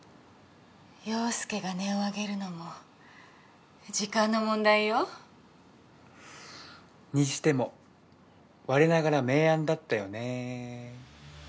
陽佑が音をあげるのも時間の問題よ。にしても我ながら名案だったよね。